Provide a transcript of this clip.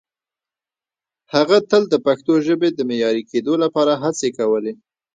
هغه تل د پښتو ژبې د معیاري کېدو لپاره هڅې کولې.